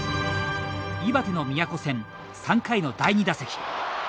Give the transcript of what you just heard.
岩手の宮古戦３回の第２打席。